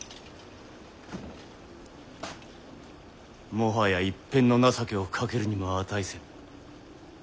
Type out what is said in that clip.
もはや一片の情けをかけるにも値せぬ。